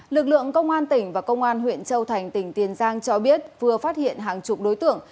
lực lượng công an tỉnh và công an huyện châu thành tỉnh tiền giang cho biết vừa phát hiện hàng chục đối tượng